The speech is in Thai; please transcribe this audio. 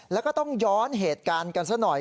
แล้วก็ต้องย้อนเหตุการณ์กันซะหน่อย